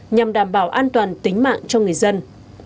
nhằm đảm bảo an toàn tính mạng cho người dân